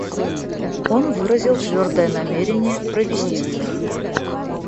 Он выразил твердое намерение провести их.